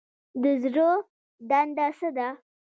د زړه دنده څه ده؟